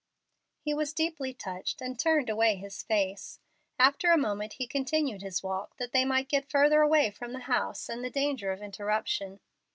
He was deeply touched, and turned away his face. After a moment he continued his walk, that they might get further away from the house and the danger of interruption.